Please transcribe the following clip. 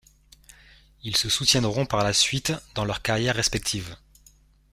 Ils se soutiendront par la suite dans leur carrière respective.